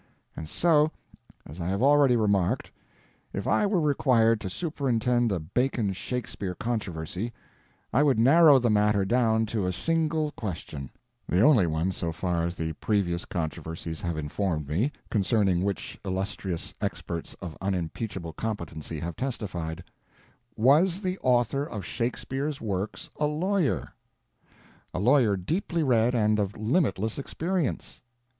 And so, as I have already remarked, if I were required to superintend a Bacon Shakespeare controversy, I would narrow the matter down to a single question—the only one, so far as the previous controversies have informed me, concerning which illustrious experts of unimpeachable competency have testified: Was The Author Of Shakespeare's Works A Lawyer?—a lawyer deeply read and of limitless experience?